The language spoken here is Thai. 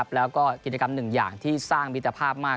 แล้วก็กิจกรรมหนึ่งอย่างที่สร้างมิตรภาพมาก